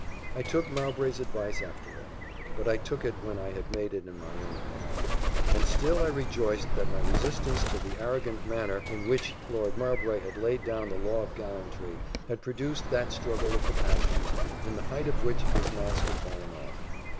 I took Mowbray's advice after all; but I took it when I had made it my own opinion: and still I rejoiced that my resistance to the arrogant manner in which Lord Mowbray had laid down the law of gallantry, had produced that struggle of the passions, in the height of which his mask had fallen off.